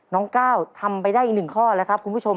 น้องก้าวทำไปได้อีกหนึ่งข้อแล้วครับคุณผู้ชม